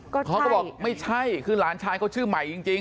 เขาก็บอกไม่ใช่คือหลานชายเขาชื่อใหม่จริง